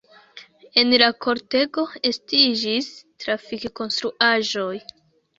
En la kortego estiĝis trafik-konstruaĵoj.